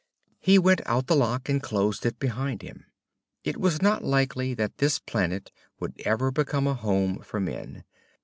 He went out the lock and closed it behind him. It was not likely that this planet would ever become a home for men.